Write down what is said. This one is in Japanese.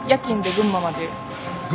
群馬まで。